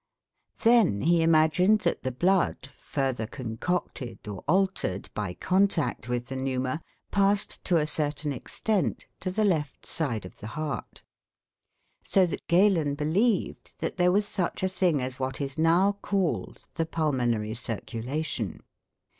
Then he imagined that the blood, further concocted or altered by contact with the 'pneuma', passed to a certain extent to the left side of the heart. So that Galen believed that there was such a thing as what is now called the pulmonary circulation.